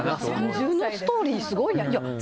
自分のストーリーすごいな。